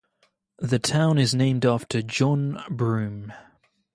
The town is named after John Broome.